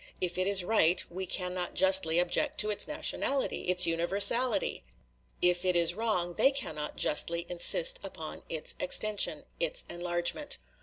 If it is right, we cannot justly object to its nationality its universality! if it is wrong, they cannot justly insist upon its extension its enlargement.